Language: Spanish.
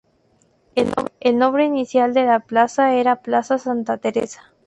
El nombre inicial de la plaza era Plaza Santa Teresa.